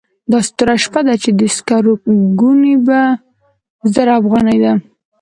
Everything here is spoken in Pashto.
داسې توره شپه ده چې د سکرو ګونۍ په زر افغانۍ ده.